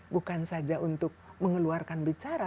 bukan saja untuk mengeluarkan bicara